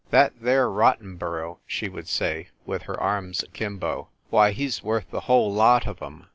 " That there Rottenborough," she would say, with her arms akimbo, " why he's worth the whole lot of 'em."